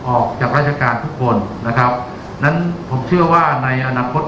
ออกจากราชการทุกคนนะครับนั้นผมเชื่อว่าในอนาคต